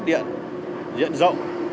điện diện rộng